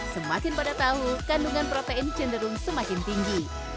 semakin pada tahu kandungan protein cenderung semakin tinggi